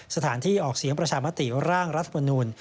สถานที่ออกเสียงประชามติร่างรัฐมนูล